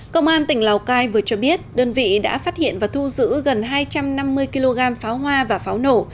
công an tỉnh lào cai vừa cho biết đơn vị đã phát hiện và thu giữ gần hai trăm năm mươi kg pháo hoa và pháo nổ